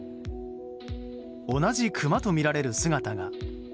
同じクマとみられる姿が。